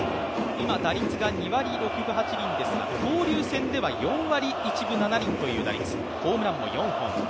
今、打率が２割６分８厘ですが、交流戦では４割１分７厘という打率。